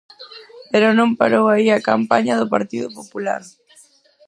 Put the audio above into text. Pero non parou aí a campaña do Partido Popular.